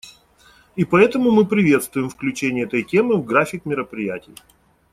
И поэтому мы приветствуем включение этой темы в график мероприятий.